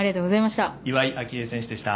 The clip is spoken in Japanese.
岩井明愛選手でした。